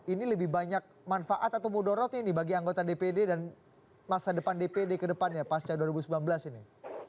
ini lebih banyak manfaat atau mudorotnya ini bagi anggota dpd dan masa depan dpd ke depannya pasca dua ribu sembilan belas ini